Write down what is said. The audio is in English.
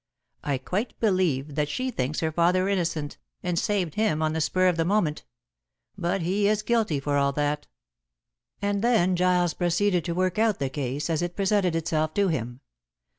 I quite believe that she thinks her father innocent, and saved him on the spur of the moment. But he is guilty for all that." And then Giles proceeded to work out the case as it presented itself to him.